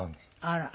あら。